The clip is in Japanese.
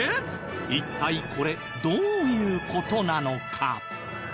一体これどういう事なのか？